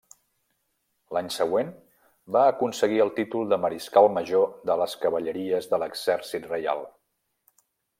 L’any següent va aconseguir el títol de mariscal major de les cavalleries de l’exèrcit reial.